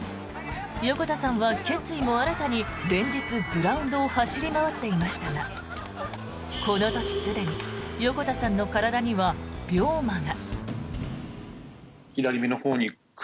横田さんは決意も新たに連日、グラウンドを走り回っていましたがこの時すでに横田さんの体には病魔が。